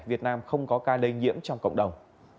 việt nam không có ca lây nhiễm trong cộng đồng